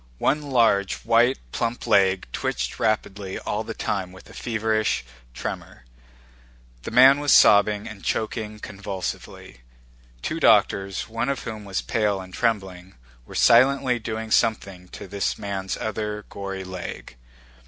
One large, white, plump leg twitched rapidly all the time with a feverish tremor. The man was sobbing and choking convulsively. Two doctors—one of whom was pale and trembling—were silently doing something to this man's other, gory leg.